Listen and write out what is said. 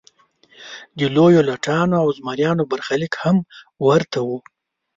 د لویو لټانو او زمریانو برخلیک هم ورته و.